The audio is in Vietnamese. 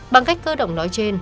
bằng cách cơ động nói trên